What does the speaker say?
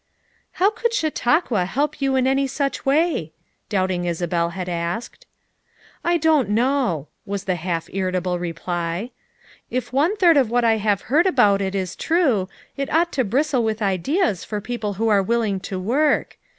"How could Chautauqua help you in any such way?" doubting Isabel bad asked. "I don't know," was the half irritable reply. "If one third of what I have heard about it is true, it ought to bristle with ideas for people who are willing to work.